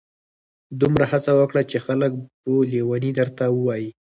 دومره هڅه وکړه چي خلک په لیوني درته ووایي.